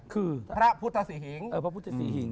คือพระพุทธศรีหิงพระพุทธศรีหิง